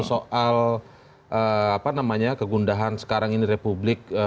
soal kegundahan sekarang ini republik